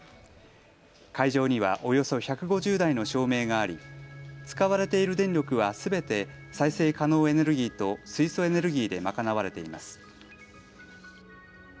会場にはおよそ１５０台の照明があり使われている電力はすべて再生可能エネルギーと水素エネルギーで賄われています。